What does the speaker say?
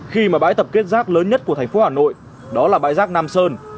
khi mà bãi tập kết rác lớn nhất của thành phố hà nội đó là bãi rác nam sơn